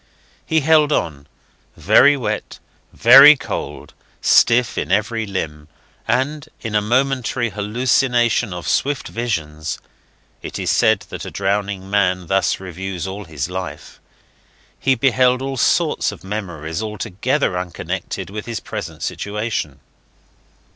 He held on very wet, very cold, stiff in every limb; and in a momentary hallucination of swift visions (it is said that a drowning man thus reviews all his life) he beheld all sorts of memories altogether unconnected with his present situation.